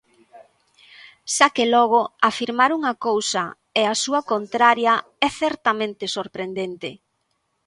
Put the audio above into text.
Xa que logo, afirmar unha cousa e a súa contraria é certamente sorprendente.